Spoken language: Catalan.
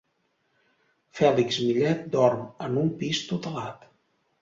Fèlix Millet dorm en un pis tutelat.